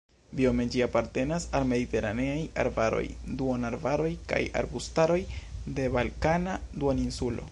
Biome ĝi apartenas al mediteraneaj arbaroj, duonarbaroj kaj arbustaroj de Balkana duoninsulo.